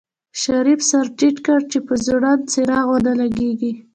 شريف سر ټيټ کړ چې په ځوړند څراغ ونه لګېږي.